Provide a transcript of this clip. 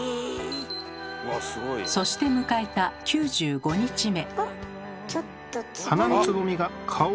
そして迎えた９５日目。